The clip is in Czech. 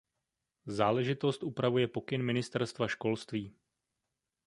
Záležitost upravuje pokyn Ministerstva školství.